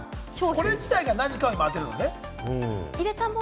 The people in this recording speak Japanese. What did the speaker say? これ自体が何かを当てるのね？